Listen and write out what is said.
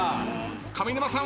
上沼さんは？